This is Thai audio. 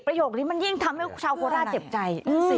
ประโยชน์ที่มันยิ่งทำให้ชาวโฟราชเจ็บใจ